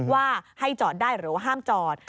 ว่าให้จอดได้หรือว่าห้ามจอด